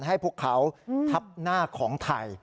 ให้พวกเขาทับหน้าของไทย